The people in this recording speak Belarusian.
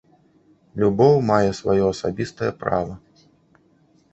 Любоў мае сваё асабістае права.